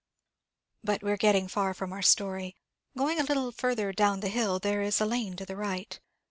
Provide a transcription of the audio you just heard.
But we are getting far from our story. Going a little further down the hill, there is a lane to the right.